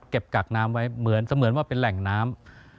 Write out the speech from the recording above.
กักน้ำไว้เหมือนเสมือนว่าเป็นแหล่งน้ำ